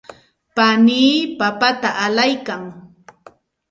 panii papata allaykan.